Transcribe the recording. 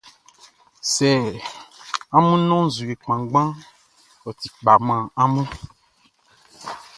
Sɛ amun nɔn nzue kpanngbanʼn, ɔ ti kpa man amun.